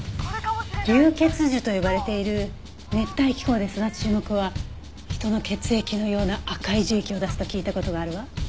竜血樹と呼ばれている熱帯気候で育つ樹木は人の血液のような赤い樹液を出すと聞いた事があるわ。